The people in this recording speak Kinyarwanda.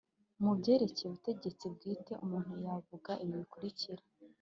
Mu byerekeye ubutegetsi bwite, umuntu yavuga ibi bikurikira